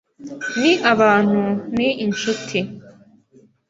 Ni abantu ni inshuti,